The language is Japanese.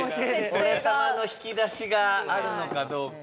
俺様の引き出しがあるのかどうか・